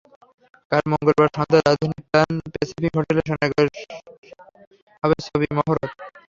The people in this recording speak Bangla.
কাল মঙ্গলবার সন্ধ্যায় রাজধানীর প্যান প্যাসিফিক হোটেল সোনারগাঁয় হবে ছবির মহরত।